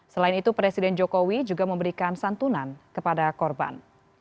selain itu presiden jokowi juga memberikan santunan kepada korban